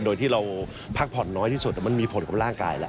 โดยที่เราพักผ่อนน้อยที่สุดมันมีผลกับร่างกายแล้ว